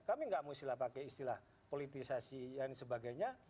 kami nggak mau istilah pakai istilah politisasi dan sebagainya